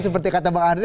seperti kata bang adi